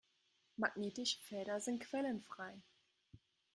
Magnetische Felder sind quellenfrei.